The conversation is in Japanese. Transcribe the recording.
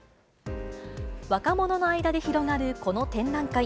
若者の間で広がるこの展覧会。